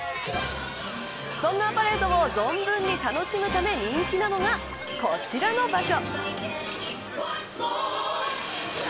そんなパレードを存分に楽しむため人気なのがこちらの場所。